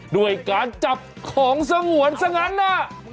ด้วยการจับของสงวนซะงั้นน่ะ